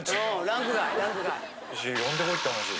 ランク外。